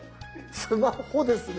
スマホですね。